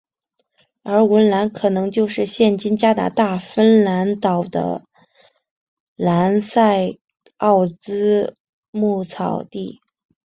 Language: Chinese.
而文兰可能就是现今加拿大纽芬兰岛的兰塞奥兹牧草地。